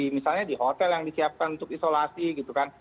misalnya di hotel yang disiapkan untuk isolasi gitu kan